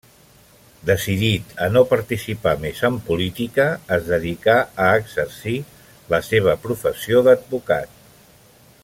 Decidit a no participar més en política, es dedicà a exercir la seva professió d'advocat.